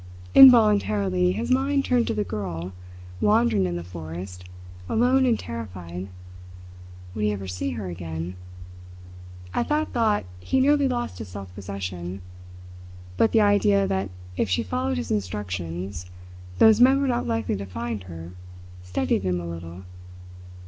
Involuntarily, his mind turned to the girl, wandering in the forest, alone and terrified. Would he ever see her again? At that thought he nearly lost his self possession. But the idea that if she followed his instructions those men were not likely to find her steadied him a little.